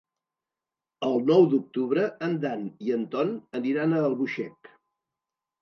El nou d'octubre en Dan i en Ton aniran a Albuixec.